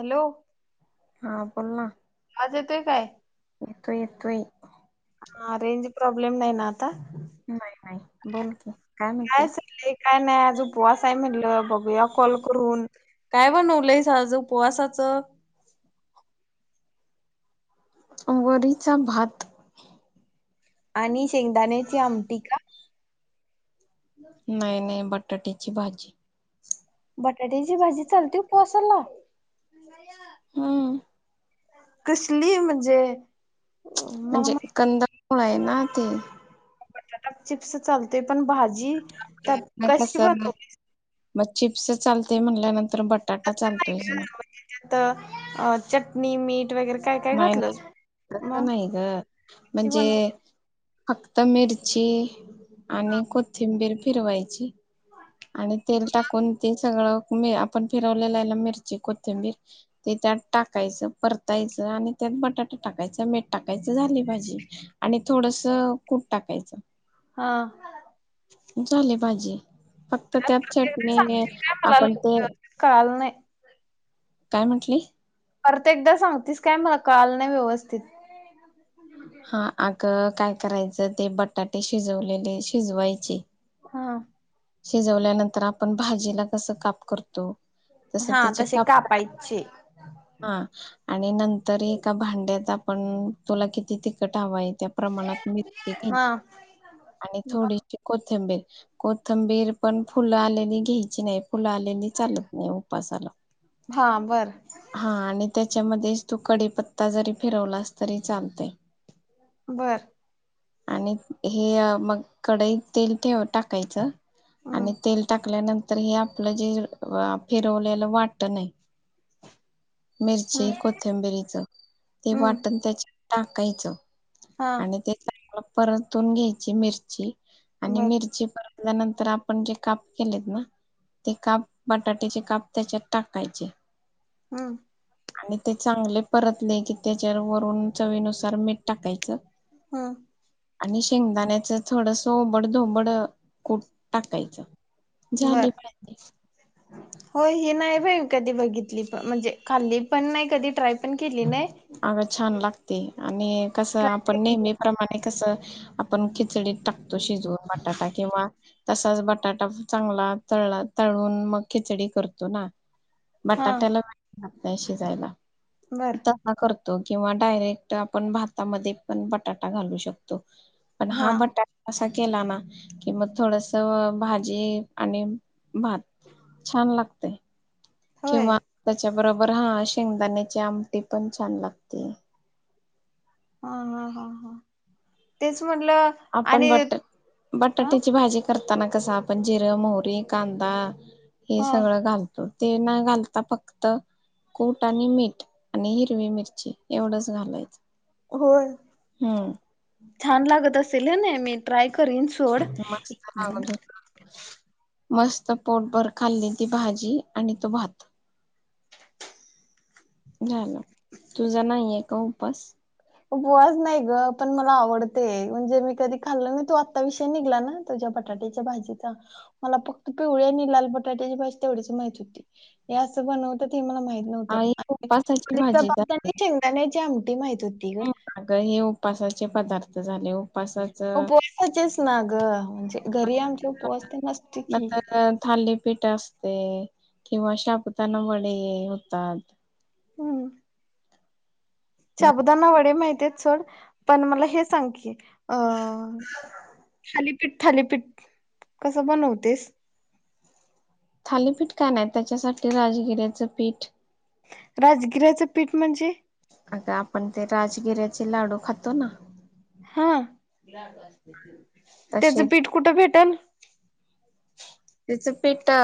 Hello हा बोलना. आवाज येतोय काय? येतोय येतोय. हा रेंज प्रॉब्लेम नाही ना आता. नाही नाही बोल की, काय चाललंय काय नाही आज उपवास हाय म्हटलं बघूया कॉल करून काय बणवलयस आज उपवासाचं वरीचा भात आणि शेंगदाण्याची आमटी का? नाइ नाइ बट बटाट्याची भाजी बटाट्याची भाजी चालती उपवासाला हां. कसली म्हजे अ. म्हणजे कंद. फळं आहे ना ते. बटाटा चिप्स चालतोय पण भाजी जी तर नाही कशी कसं बनवलीस? मग चिप्स चालतय म्हणल्यानंतर तर बटाटा तसं नाही चालतोयच ना. नी, मीठ वगैरे काय काय नाय नाय घातलंस तस मग नाही ग कशी मंजे बनवली? फक्त मिरची अ. आणि कोथिंबीर. फिरवायची आणि तेल टाकून ते सगळं आपण फिरवल्याल मिरची कोथिंबीर ते त्यात टाकायचं परतायचं. आणि त्यात बटाटा टाकायचं मीठ टाकायचं, झाली भाजी आणि थोडस कूट टाकायचं. हा. झाली भाजी. फक्त त्यात परत एकदा चटणी सांगशील काय मला आपण ते [unintelligible] कळाल नाही. काय म्हंटलीस. परत एकदा सांगतीस काय मला कळाल नाही व्यवस्थित. हा आग. काय करायच ते बटाटे शिजवलेले शिजवायचे. हा. शिजवल्यानंतर आपण भाजीला कस काप करतो तस हा त्याचे तसे काप करायचे. कापायचे हा आणि नंतर एका भांड्यात आपण तुला किती तिखट हवंय त्या प्रमाणात मिरची घ्यायची हा. आणि थोडीशी कोथिंबीर. कोथंबीर पण फुल आलेली घ्यायची नाही फुल आलेलि चालत नाही उपासाला. हा बर हा आणि त्याच्यामध्येच तू कडीपत्ता जरी फिरवलास तरी चालतय. बर. आणि हे मग कडईत तेल ठेव टाकायच हम्म आणि तेल टाकल्यानंत तर हे आपल जे फिरवलेल वाटन हाय मिरची हम्म कोथंबिरीच, ते हम्म वाटण त्याच्या टाकायच. हा आणि ते परतून घ्यायची मिरची. आणि बर मिरची नंतर आपण जे काप केलेत ना, ते काप बटाट्याचे काप त्याच्यात टाकायचे. ह्म्म. आणि ते चांगले परतले की त्याच्यावर वरून चवीनुसार मीठ टाकायचं. हा. आणि शेंगदाण्याच थोडस ओबड धोबड कुट टाकायचं. झाली हो हे नाही बईमी मी कधी बघितली, प म्हणजे खाल्ली पण नाही कधी ट्राय पण केली नाही. अग छान लागते आणि कस ट्राय आपण केली नेहमी प्रमाणे कस आपण खिचडीत टाकतो शिजवून बटाटा किंवा तसाच बटाटा चांगला तळला तळून मग खिचडी करतो ना. हा बटाट्याला नाही शिजयला. बर. किंवा डायरेक्ट आपण भातामध्ये पण बटाटा घालू शकतो. पण हा बटाटा असा केला ना की मग थोडस भाजी आणि भात छान लागतय. होय. किंवा त्याच्या बरोबर हा शेंगदाण्याची आमटी पण छान लागतेय. हा हा हा हा तेच म्हटलं आपण आणि बट हा बटाट्याची भाजी करत करताना आपण कस जिर, मोहरी, कांदा हे हा. सगळं घालतो ते न घालता फक्त कुट आणि मीठ आणि हिरवी मिरची एवढंच घालायचं. होय हम्म. छान लागत अस ल नेनी ट्राय करीन सोड ये मस्त लागत बंद होत. कर मस्त पोटभर खाल्ली ती भाजी आणि तो भात झालं तुझा नाहीय का उपास उपवास नाही ग पण मला आवडते म्हणजे मी कधी खाल्ल नाय तो आत्ता विषय निघला ना तुझ्या बटाट्याच्या भाजीचा मला फक्त पिवळी आणि लाल बटाट्याची भाजी तेवढीच माहित होती हे असं बनवतात हे मला मा माहित नव्हत आई उपासाची [unintelligible] शेंगदाण्याची आम ते माहित होत् का हे उ उपासाचे पदार्थ झाले वो उपवासाचेच ना ग म्हणजे घरी आमच्या उपवास ते नसते की ते किंवा शाबुदाना वडे होतात. हूं शाबुदाना वडे माहि तेचं सोड पण मला हे सांग की, अ थाली पीठ थालीपीठ कसं बनवतेस? थालीपीठ काय नाय त्याच्यासाठी राजगिऱ्याचं पीठ राजगिऱ्याचं पीठ म्हणजे? अग आपण ते राजगिऱ्याचे लाडू खातो ना हा तसे त्याचं पीठ कुठं भेटेल? त्याच पीठ अ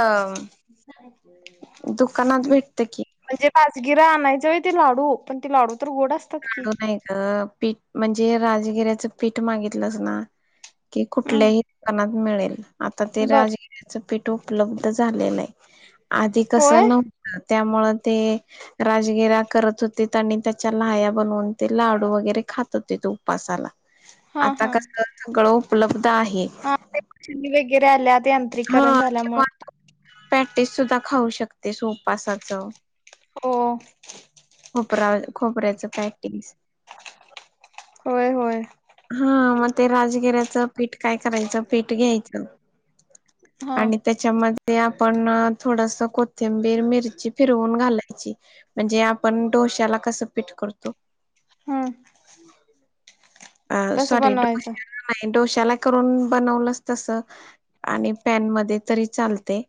दुकानात भेटतं की म्हणजे राजगिरा आणायच व्हय ते लाडू पण ती लाडू तर गोड अस लाडू नाय ग पीठ म्हणजे राजगिऱ्याचं पीठ मागितलंस ना की हम्म कुठल्याही दुकानात मिळेल. आता ते बर राजगिऱ्याच पीठ उपलब्ध झालेलय आधी होय कसं नव्हतं त्यामुळ ते राजगिरा करत होतेत आणि त्याच्या ल्हाया बनवून ते लाडू वगैरे खात होतेत उपासाला हा आता हा [unintelligible] कळव प्लब आहे त इराल्यात ते आत्रिकरण झाल्यामुळे पॅटीस सुद्धा खाऊ शकतेस उपासच हो खोबरा खोबऱ्याच पॅटिस होय होय हा मग ते राजगिऱ्याचं पीठ काय करायचं पीठ घ्यायचं हा आणि त्याच्यामध्ये ते आपण अं थोडस कोथिंबीर मिरची फिरवून घालायची म्हणजे आपण डोश्याला कसं पीठ करतो [inaudible] हम्म अ तसं सॉरी बनवायचं डोश्याला नाही डोश्या त्याला करून बनवलस तस आणि पॅन मध्ये तरी चालते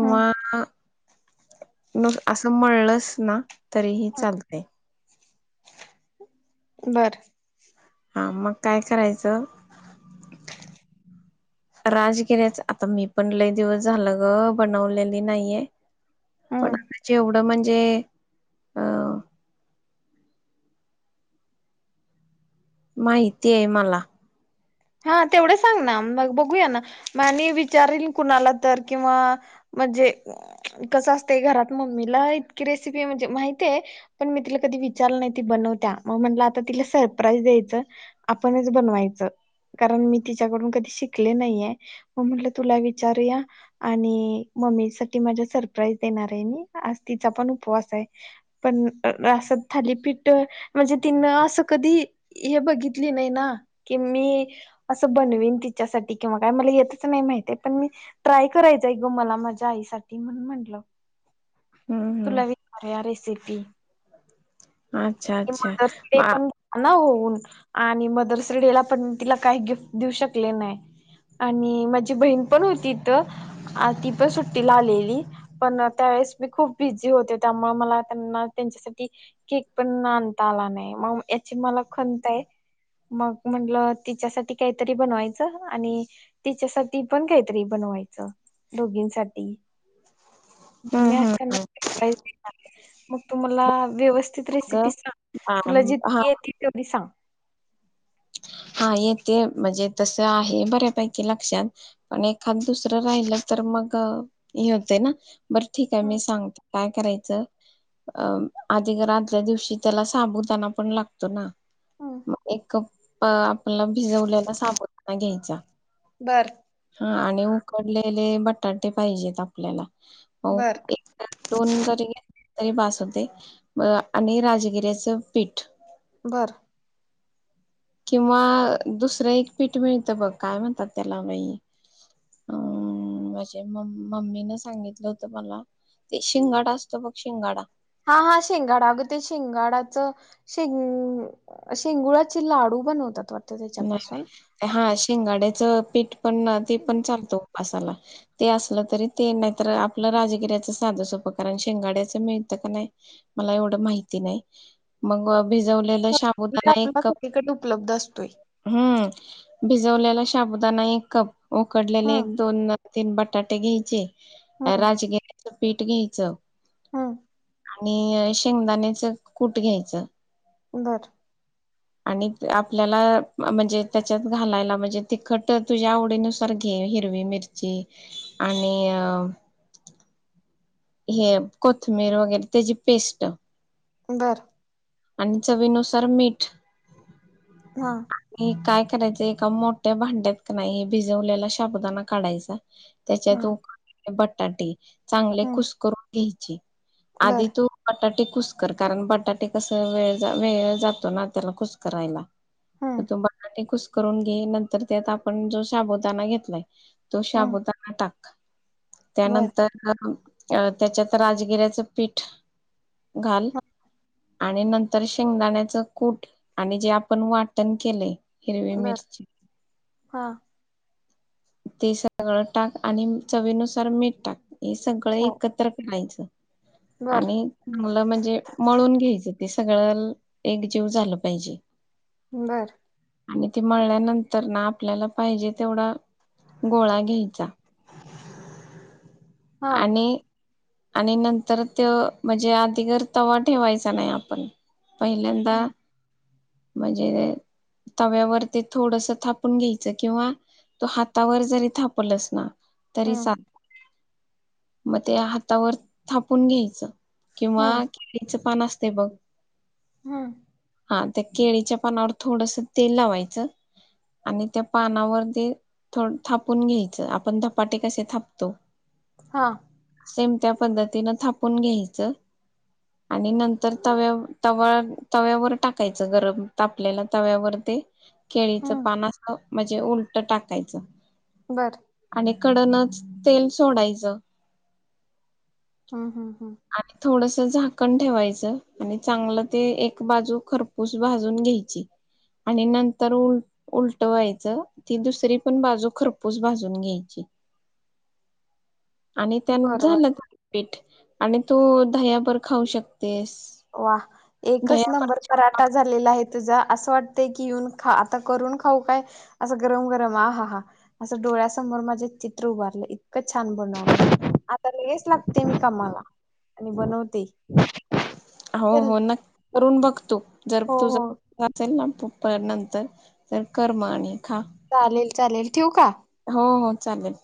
हम्म न असं मळलस ना तरीही चालतय बर हा मग काय करायचं राजगिर्याच आता मी पण लय दिवस झालं ग बनवलेली नाहीये पण हम्म जेवढ ड म्हणजे अ माहिती हे मला हा तेवढं सांग ना मग बघूया ना मग आणि विचारील कुणाला तर किंवा म्हणजे कसं असते घरात मम्मीला इतकी रेसिपी म्हणजे माहतीय पण मी तिला कधी विचारलं नाही ती बनवत्या मग म्हटलं आता तिला सरप्राईज द्यायचं आपणच बनवायचं कारण मी तिच्याकडून कधी शिकले नाहीये? मग म्हटलं तुला विचारूया आणि मम्मी साठी माझ्या सरप्राईज देणार आहे मी. आज तिचा पण उपवास आहे पण अस थालीपीठ म्हणजे तिनं असं कधी हे बघितली नाही ना की मी असं बनवीन तिच्यासाठी किंवा काय मला येतच नाही माहित पण मी ट्राय करायचं आहे गं मला माझ्या आईसाठी म्हणून म्हंटलं हम्म तुला हम्म वीचारुया रेसिपी अच्छा [unintelligible] मदर्स डे अच्छा. पण ना हो. आणि मदर्स डे ला पण तिला काही गिफ्ट देऊ शकले नाही आणि माझी बहीण पण होती इथं आणि ती पण सुट्टीला आलेली पण त्यावेेळेस मी खूप बिझी होते त्यामुळ मला त्यांना त्यांच्यासाठी केक पण आणता आला नाही मग याची मला खंत आहे. मग म्हटलं तिच्यासाठी काहीतरी बनवायचं आणि तिच्यासाठी पण काहीतरी बनवायचं दोघींसाठी हम्म मी असताना हम्म तिनं लई मग तुम्हाला व्यवस्थित रेसिपी अगं सांग तुला आम- हा जितकी येती तेवढी सांग? हा येते म्हणजे तस आहे बऱ्यापैकी लक्षात पण एखादं दुसरं राहिलं तर मग हे होतय ना बरं ठीक आहे मी सांगते काय करायचं अ आधी घर आदल्या दिवशी त्याला साबुदाणा पण लागतो ना मग एक कप अ अ आपल्याला भिजवलेला साबुदाणा घ्याय चा बर हा आणि उकडलेल हे बटाटे पाहिजेत आपल्याला हो बर एक [unintelligible] दोन जरी तरी बास होतयं मग आणि राजगिऱ्याचं पीठ बर किंवा दुसरं एक पीठ मिळत बघ काय म्हणतात त्याला बाई अं माझे मम मम्मीन सांगितलं होत मला ते शिंगाडा असतो बघ शिंगाडा हा हा शिंगाडा अग ते शिंगाडाच शिंग शिंगुळाचे लाडू बनवतात वाट नाय हा शिंगाड्या चं पीठ पण ते पण चालत उपासाला ते असलं तरी ते नाय तर आपलं राजगिऱ्याचं साधं सोपं कारण शिंगाड्याचं मिळतं का नाय मला एवढं माहिती नाय मग भिजवलेलं शाबुदाणा एक आपला कप सगळीकडे उपलब्ध असतोय हूं भिजवलेला शाबुदाणा एक कप उकडलेले हम्म एक दोन तीन बटाटे घ्यायचे राजगि [unintelligible] पीठ घ्यायचं हं आणि शेंगदाण्याचं कूट घ्यायचं. बरं आणि क आप आपल्याला म्हणजे त्याच्यात घालायला म्हणजे तिखट तुझ्या आवडीनुसार घे हिरवी मिरची आणि अअ हे कोथंमीर वगैरे त्याजी पेस्ट बरं आणि चवीनुसार मीठ हा [unintelligible] काय करायच एका मोठ्या भांड्यात कनाय भिजवलेला शाबुदाना काढायचा हा त्याच्यात [unintelligible] बटाटी चांगले हम्म कुसकरून घ्यायचे आधी बर तू बटाटे कुसकरतान आणि बटाटे तस वेळ, वेळ जातो ना त्याला कुस करायला. हम्म अता बटाटे खुस करून घे नंतर त्यात आपण जो शबुदाणा घेतलाय तो हम्म शाबुदाना टाक. का? बर त्यानंतर [unintelligible] अ त्याच्यात राजगिऱ्याचं पीठ घाल. आणि नंतर शेंगदाण्याच कूट आणि जे आपण वाटण केलंय हिरवी बर मिर्ची हा ते सगळं टाक आणि चवीनुसार मीठ टाक. ते सगळं हो एकत्र करायचं. बर आणि मुलं म्हणजे मळून तेच ते सगळं एकजीव झालं पाहिजे. बर. आणि ती मळल्यानंतर ना आपल्याला पाहिजे तेवढा गोळा घ्यायचा. हा आणि आणि नंतर त्यो म्हणजे आधीगर तवा ठेवायचा नाही आपण. पहिल्यांदा हम्म म्हणजे तव्यावर ते थोडस थापून घ्यायचं किंवा तो हातावर जरी थापलस ना तरी हम्म साल मग ते हातावर थापून घ्यायचं. किंवा हम्म केळीच पान अस ते बघ. हम्म. हा त्या केळीच्या पानावर थोडस तेल लावायचं आणि त्या पानावर ते थोड थापून घ्यायचं आपण धपाटे कसे थापतो. हा. सेम त्या पद्धतीन थापून घ्यायचं आणि नंतर तव्याव-तवा-तव्यावर टाकायचं गरम तापलेला तव्यावर ते केळीचं हम्म पान अस म्हणजे उलटं टाकायचं. बर. इकडनच तेल सोडायच. हम् हम्म हम्. ते झाकण ठेवायचं आणि चांगलं ते एक बाजू खरपूस भाजून घ्यायची आणि नंतर उल- उलटवायचं ती दुसरी पण बाजू खरपूस भाजून घ्यायची. आणि त्यांन बरोबर झालं पीठ. आणि तो दह्याबरोबर खाऊ शक वा एकच नंबर छान पराठा लागत झालेला आहे. तुजा असं वाटतयं की येऊन खा आता करून खाऊ काय असं गरम-गरम आ हा हा असं डोळ्यासमोर माज्या चित्र उभारलंय. इतकं छान बनवलेस आता लगेच लागते मी कामाला आणि बनवते. हो चल हो नक् करून बघतो. जर हो हो तुझं असेल ना तु [unintelligible] नंतर तर कर म आणि खा. चालेल चालेल, ठेवू का? हो हो चालेल.